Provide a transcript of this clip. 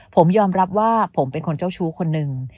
ผมยอมรับว่าผมเป็นคนเจ้าชู้คนหนึ่ง